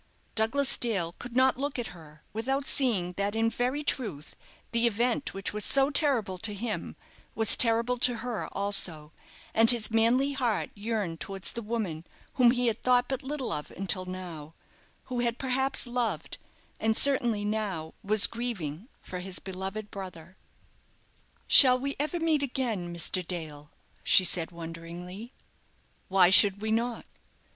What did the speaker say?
Douglas Dale could not look at her without seeing that in very truth the event which was so terrible to him was terrible to her also, and his manly heart yearned towards the woman whom he had thought but little of until now; who had perhaps loved, and certainly now was grieving for, his beloved brother. "Shall we ever meet again, Mr. Dale?" she said, wonderingly. "Why should we not?"